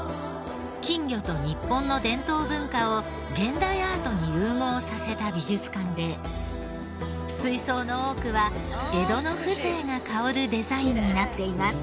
金魚と日本の伝統文化を現代アートに融合させた美術館で水槽の多くは江戸の風情が薫るデザインになっています。